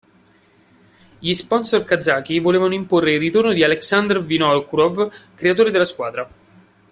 Gli sponsor kazaki volevano imporre il ritorno di Aleksandr Vinokurov, creatore della squadra.